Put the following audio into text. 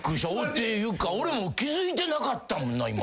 っていうか俺も気付いてなかったもんな今。